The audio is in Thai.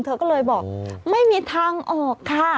เธอก็เลยบอกไม่มีทางออกค่ะ